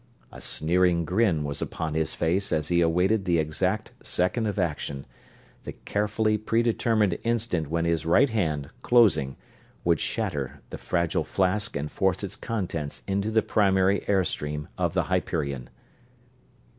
A sneering grin was upon his face as he awaited the exact second of action the carefully pre determined instant when his right hand, closing, would shatter the fragile flask and force its contents into the primary air stream of the Hyperion!